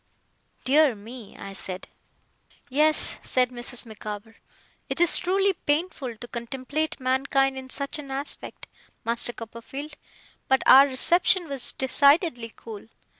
'Dear me!' I said. 'Yes,' said Mrs. Micawber. 'It is truly painful to contemplate mankind in such an aspect, Master Copperfield, but our reception was, decidedly, cool.